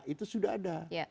itu sudah ada